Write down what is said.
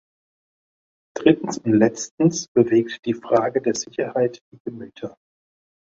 Drittens und letztens bewegt die Frage der Sicherheit die Gemüter.